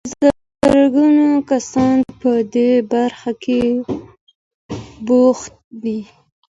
په زرګونه کسان په دې برخه کې بوخت دي.